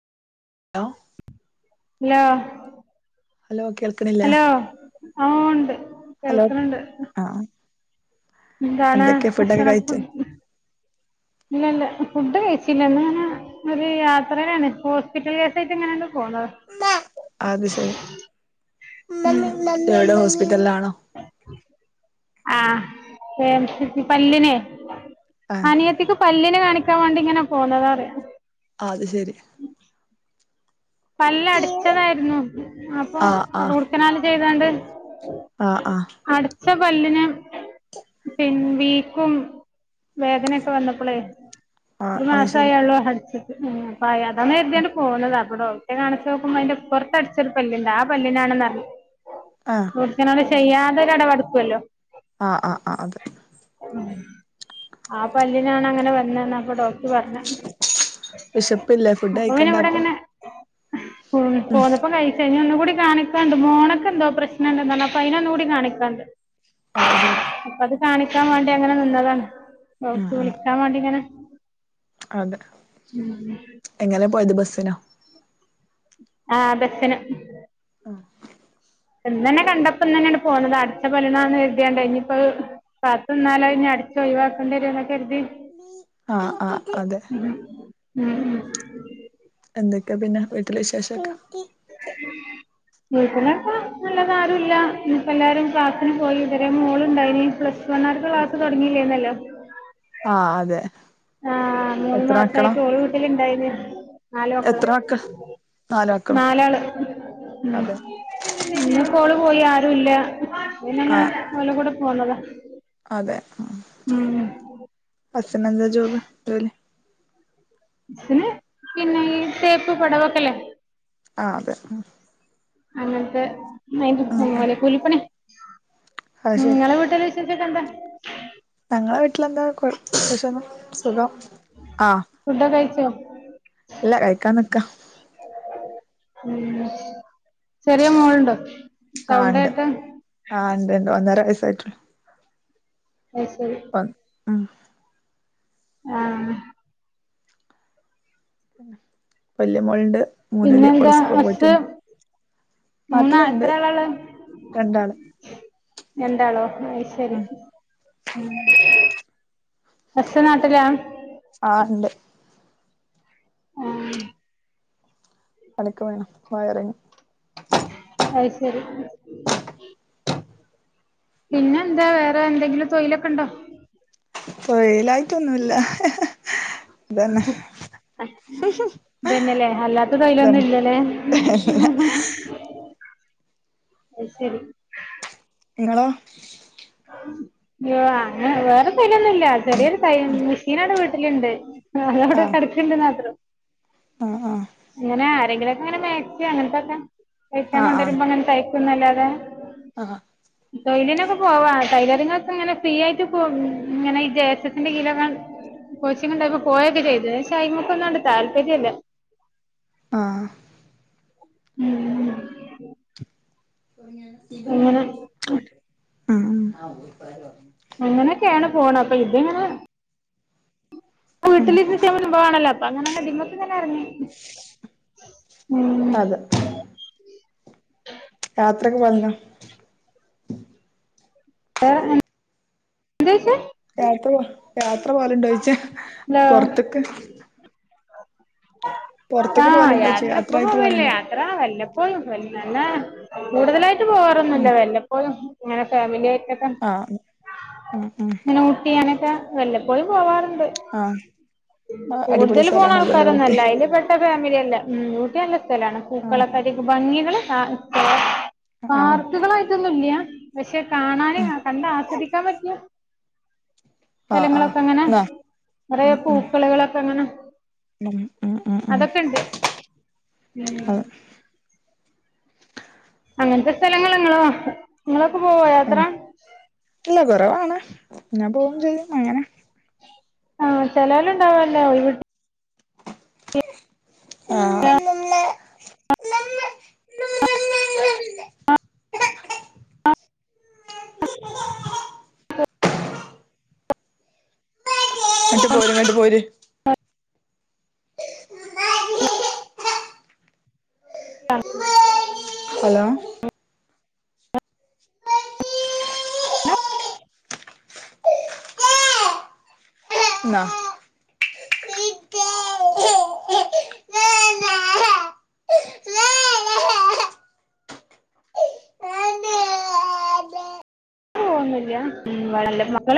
Hello hello hello കേ hello ആഹ് ഒണ്ട്‌ ഹലോ ആഹ് എന്താണ് എന്തൊക്കെയാ ഫുഡൊക്കെ ഭക്ഷണ കഴിച്ച ഇല്ല ഇല്ല ഫുഡ് കഴിച്ചില്ലന്നെ ഒരു യാത്രയെടെയാണ് ഇ ഹോസ്പിറ്റൽ കേസ ആയിട്ട് എങ്ങനെയൊക്കെ പോകുന്നത് അത് ശരിവിടെ ഹോസ്പിറ്റലിലാണോ ആഹ് ഏഹ് പല്ലിനെ ആഹ് അനിയത്തിക്ക് പല്ലിനന് കാണിക്കാൻ വേണ്ടിങ്ങനെ പോകുന്നതാ അതു ശരി പല്ല് അടിച്ചതായിരുന്നു അപ്പൊ ആഹ് ആഹ് റൂട്ട് കനാൽ ചെയ്തുകൊണ്ട് ആഹ് ആഹ് അടച്ച പല്ലിനെ പി വീക്കും വേദനൊക്കെ വന്നപ്പോളേ ആഹ് ഒരു അത് മാസ ശരി ആയുള്ളൂ അടിച്ചിട്ട് പ അതാണ് എരുതിയാണ് പോന്നത് അവിടോ ണിച്ച് നോക്കുമ്പോ അതി്ന്റെ പുറ അടിച്ചൊരു പല്ലലുണ്ട് ആ പല്ലിനാണെന്ന് ആഹ് റൂട്ട് കനാൽ അത് ശരി ചെയ്യാതെ ഇടവെടുക്കുവല്ലോ ആഹ് ആഹ് ആഹ് അത് ഉ. ആ പല്ലിനാണ് അങ്ങനെ വന്നന്ന അപ്പൊ ഡോ പറഞ്ഞ വിശപ്പില്ലേ ഫുഡ് അപ്പ പിന്ന കഴിക്കണ്ടേ എവിടെ അപ്പൊ എങ്ങനെ ഉം പോലപ്പ കീ ന ഒന്നുകൂടി കാണിക്കാണ്ട് മോണൊക്കെ എന്തോ പ്രശ്നണ്ട അപ്പൊ അതിനെ ഒന്നുകൂടി കാണിക്കാണ്ട് അത് ശെരി അപ്പ അത് കാണിക്കാൻ വേണ്ടി അങ്ങനെ നിന്നതാണ് ഉം നോക്കി വിളിക്കാൻ വേണ്ടി ഇങ്ങനെ അത് എങ്ങനെ പോയത് ബസിനോ ആഹ് ബസിന്. ആഹ്. ഇന്ന്ന്നെ കണ്ടപ്പ ഇന്ന് തന്നെയാണ് പോന്നത അടച്ച പലിനാന്ന് കരുതിയണ്ടയ് ഇനിയിപ്പത്. കാത്ത്ന്നാലത് ഇടത്ത് ഒഴിവാക്കണ്ട രോന്ന്ക്കരുതി. ആഹ് ആഹ് അതെ. എന്തൊക്കെയ പിന്നെ വീട്ടില വിശേഷൊക്കെ. ഉം. വീട്ടിലിപ്പോ അല്ലാതാരുവില്ല ഇന്നിപ്പോ എല്ലാരും ക്ലാസ്സിന് പോയി ഇതുവരെ മോളുണ്ടായിനി പ്ലസ് വണ്ണ് കാർക്ക് ക്ലാസ് തുടങ്ങിയില്ലേരുന്നല്ലോ ആഹ് അതെ ആഹ് മൂന്ന് എത്ര മക്കളാ മാസായിട്ട് ഓള് വീട്ടില് ഇണ്ടായിനി നാല് മക്കള് നാല് മക്കളോ നാലാള് ഉം അതെ ഇന്നിപ്പോ ഓള് പോയി ആരുവില്ല അതുകൊണ്ട് ഞാൻ ആഹ് ഓലുടെ കൂടെ പോന്നതാ അതെ ആഹ് ഉം ഹസ്സിന് എന്താ ജോബ് ജോലി ബസില് പിന്നെ ഈ തേപ്പ് പടവൊക്കെ ഇല്ലേ ആഹ് അതെ ആഹ് അങ്ങനത്തെ ഉം ഉം ഓല് കൂലിപ്പണി അത് ശരി നിങ്ങളെ വീട്ടില് വിശേഷവൊക്കെ എന്താ ഞങ്ങടെ വീട്ടിലെന്താ കൊ വിശേഷങ്ങള് സുഖം ആഹ് ഫുഡൊക്കെ കഴിച്ചോ ഇല്ല കഴിക്കാൻ നിക്കുവാ ഉം ചെറിയ മോളുണ്ടോ ആഹ് സൗണ്ട് ഉണ്ട് കേട്ട് ആഹ് ഉണ്ട് ഉണ്ട് ഒന്നര വയസ്സായിട്ടുള്ളൂ അത് ശരി ഉം ആഹ് വല്യ മോളുണ്ട് മൂന്നില് ഓള് പിന്നെന്താ സ്കൂളിൽ ഹസ് പോയിട്ടുണ്ട് മൂന്നാ നാട്ടിലുണ്ട് എത്ര ആളാള്ളെ രണ്ടാള് രണ്ടാളോ അത് ശരി ഉം ഹസ് നാട്ടിലാ ആഹ് ഉണ്ട് ആഹ് പണിക്ക് പോയതാ വയറിങ്ങ് അത് ശരി പിന്നെന്താ വേറെ എന്തെങ്കിലും തൊഴിലൊക്കെ ഉണ്ടോ തൊഴിലായിട്ട് ഒന്നുവില്ല ഇത് തന്നെ ഇത് തന്നെയല്ലേ അല്ലാത്ത തൊഴിലൊന്നും ഇതന്നെ ഇല്ലല്ലേ അത് ശരി നിങ്ങളോ അയ്യോ അങ്ങനെ വേറെ തൊഴിലൊന്നുല്ല ചെറിയൊരു തയൽ മെഷീനവിടെ വീട്ടിലുണ്ട് അതവിടെ കെടക്കണുണ്ടെന്ന് മാത്രം ആഹ് ആഹ് അങ്ങനെ ആരെങ്കിലും ഒക്കെ അങ്ങനെ മാക്സി അങ്ങനത്തൊക്കെ ആ തയ്ക്കാൻ കൊണ്ടുവരുമ്പോ അങ്ങനെ തയ്ക്കൂന്നല്ലാതെ ആഹ് തൊഴിലിനൊക്കെ പോവാം ടൈലറിങ്ങൊക്കെ ഇങ്ങനെ ഫ്രീ ആയിട്ട് പോ ഇങ്ങനെ ഈ ജെ എസ് എസിന്റെ കീഴിലൊക്കെ കോച്ചിങ്ങ് ഒണ്ടായപ്പോ പോയക്കെ ചെയ്തു പക്ഷെ അയ്മേക്കൊന്നും അങ്ങട്ട് താല്പര്യം ഇല്ല ആഹ് ഉം ഉം അങ്ങനൊക്കെയാണ് പോണ അപ്പൊ ഇത് ഇങ്ങനെ വീട്ടിലിരുന്ന് ചെയ്യാൻ പറ്റുന്ന സംഭവാണല്ലോ അപ്പ അങ്ങനങ്ങ് ഇതിമേ തന്നെയങ്ങ് എറങ്ങി ഉം. അതെ യാത്രയൊക്കെ പോവലുണ്ടോ? വേറെ [unintelligible] എന്തുയിച്ചേ യാത്ര പോ യാത്ര പോവല്ണ്ടോയിച്ചേ ഹലോ പൊറത്ത്ക്ക്? പൊറത്ത്ക്ക് ആഹ് പോവലുണ്ടോയ്ച്ച യാത്ര ഇപ്പം യാത്രായിട്ട് പോവല്ല്യാ. പോവലുണ്ടോ യാത്ര വല്ലപ്പോഴും [unintelligible] കൂടുതലായിട്ട് ഉം പോവാറൊന്നുല്ല വല്ലപ്പോഴും. ഇങ്ങനെ ഫാമിലിയായിട്ടൊക്കെ ആഹ് ഉം ഉം. ഊട്ടി അങ്ങനൊക്കെ വല്ലപ്പോയും പോവാറുണ്ട് ആഹ് ആഹ് അടിപൊളി കൂടുതല് പോണാ സ്ഥലാണല്ലോല്ലേ ഊട്ടി അതൊന്നുല്ല അയില് പെട്ട ഫമിലിയല്ല ഉം ഊട്ടി നല്ല സ്ഥലാണ് ആഹ് പൂക്കളൊക്കെ- ഭംഗികള് പാ ആഹ് പാർക്കുകളായിട്ടൊന്നും ഇല്ല്യാ- പക്ഷെ കാണാന് ഉം കണ്ട് ആസ്വദിക്കാൻ പറ്റിയ ആഹ് ആഹ് സ്ഥലങ്ങളൊക്കെ അങ്ങനെ ന്നാ നിറയെ ഉം ഉം പൂക്കള്കളൊക്കെ അങ്ങനെ- ഉം ഉം ഉം അതൊക്കെ ഉണ്ട് അ.. അങ്ങൻത്തെ സ്ഥലങ്ങള നിങ്ങളോക്ക നിങ്ങളൊക്കെ പോവോ യാത്ര? ഏഹ് ഇല്ല കൊറവാണ് ഞാൻ പോവും ചെയ്യും അങ്ങനെ ആഹ് ചെലോല് ഉണ്ടാവാല്ലേ ഒഴിവ് ആഹ്. ഇങ്ങട്ട് പോര് ഇങ്ങട്ട് പോര്- ഹലോ. ഇന്നാ. പോവോന്നുല്ല്യാ [unintelligible]